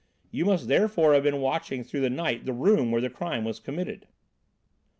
You must therefore have been watching through the night the room where the crime was committed."